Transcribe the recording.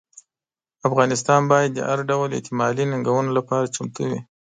افغانستان باید د هر ډول احتمالي ننګونو لپاره چمتو وي.